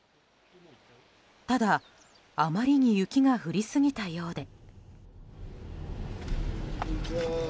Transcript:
ただ、あまりに雪が降りすぎたようで。